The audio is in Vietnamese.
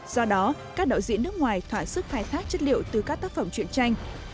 do đó các đạo diễn nước ngoài thoải sức phai thác chất liệu từ các tác phẩm truyện tranh